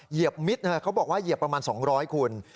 เหยียมิตรเขาบอกว่าเหยียบประมาณ๒๐๐คุณ